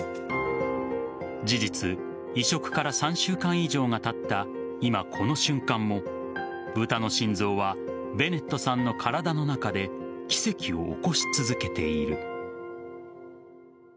事実、移植から３週間以上がたった今この瞬間もブタの心臓はベネットさんの体の中で奇跡を起こし続けている。